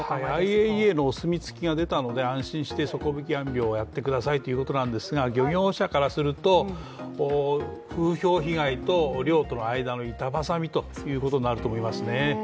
ＩＡＥＡのお墨付きが出たので安心して底引き網漁はやってくださいということですが漁業者からすると、風評被害と漁との間の板挟みということになると思いますね。